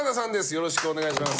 よろしくお願いします。